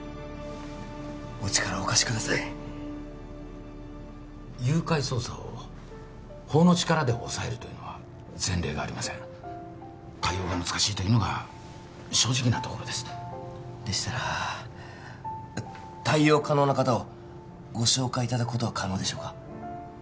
お力をお貸しください誘拐捜査を法の力で抑えるというのは前例がありません対応が難しいというのが正直なところですでしたら対応可能な方をご紹介いただくことは可能でしょうか？